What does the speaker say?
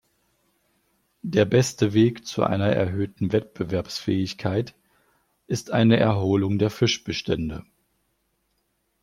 Der beste Weg zu einer erhöhten Wettbewerbsfähigkeit ist eine Erholung der Fischbestände.